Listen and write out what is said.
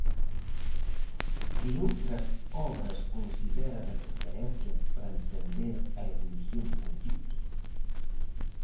Que outras obras considera de referencia para entender a evolución do conflito?